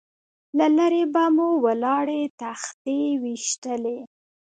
له لرې به مو ولاړې تختې ويشتلې.